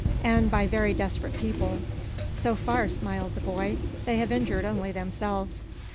"And by very desperate people." "So far," smiled the boy, "they have injured only themselves."